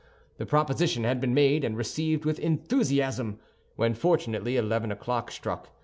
The proposition had been made, and received with enthusiasm, when fortunately eleven o'clock struck.